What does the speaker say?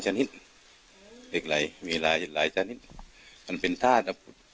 ท่านผู้ชมครับบอกว่าตามความเชื่อขายใต้ตัวนะครับ